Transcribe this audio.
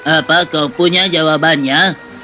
apa kau punya jawabannya